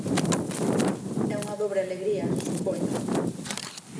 É unha dobre alegría, supoño.